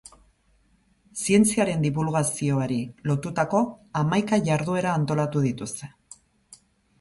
Zientziaren dibulgazioari lotutako hamaika jarduera antolatu dituzte.